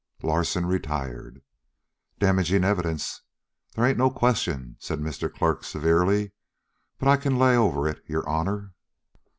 Larsen retired. "Damagin' evidence, they ain't no question," said Mr. Clerk severely. "But I can lay over it, your honor."